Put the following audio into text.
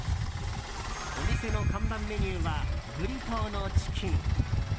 お店の看板メニューはブリトーのチキン。